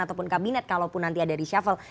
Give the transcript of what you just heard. ataupun kabinet kalau pun nanti ada di syafal